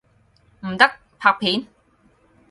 唔得，拍片！